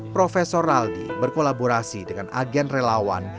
profesor raldi berkolaborasi dengan agen relawan